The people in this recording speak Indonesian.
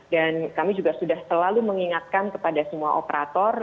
dan kami juga sudah selalu mengingatkan kepada semua operator